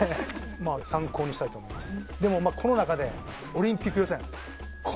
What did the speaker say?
まあ参考にしたいと思います。